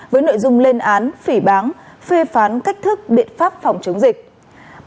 với nội dung lên án phỉ bán phê phán cách thức biện pháp phòng chống dịch